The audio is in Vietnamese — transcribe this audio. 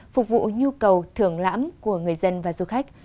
phục vụ nhu cầu thưởng lãm của người dân và du khách